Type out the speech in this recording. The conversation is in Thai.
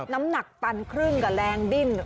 น้ำหนักตันครึ่งกับแรงดิ้น